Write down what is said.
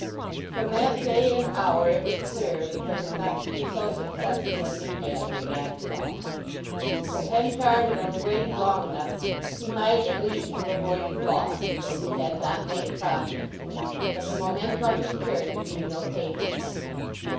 From that day and hour it was clear that there was not to be so successful an ingathering after all. If Henchard had only waited long enough he might at least have avoided loss though he had not made a profit. But the momentum of his character knew no patience.